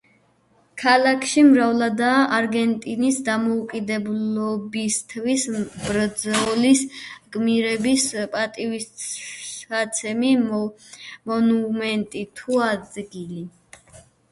ქალაქში მრავლადაა არგენტინის დამოუკიდებლობისთვის ბრძოლის გმირების პატივსაცემი მონუმენტი თუ ადგილი.